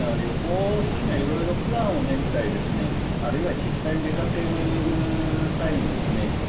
旅行するにはいろいろプランを練ったりですねあるいは実際に出かける際にもですね